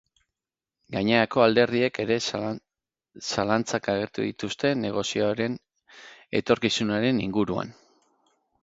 Gainerako alderdiek ere zalantzak agertu zituzten negoziazioen etorkizunaren inguruan.